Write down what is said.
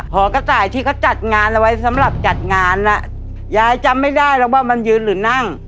หอกระต่ายที่เขาจัดงานเอาไว้สำหรับจัดงานอ่ะยายจำไม่ได้หรอกว่ามันยืนหรือนั่ง